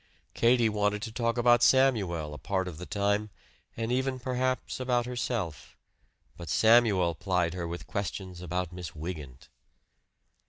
Katie wanted to talk about Samuel a part of the time, and even, perhaps, about herself; but Samuel plied her with questions about Miss Wygant.